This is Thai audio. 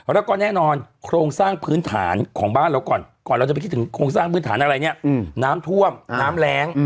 แล้วก็แน่นอนโครงสร้างพื้นฐานของบ้านเราก่อนก่อนเราจะไปคิดถึงโครงสร้างพื้นฐานอะไรเนี่ยน้ำท่วมน้ำแรง